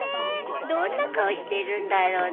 どんな顔してるんだろうね。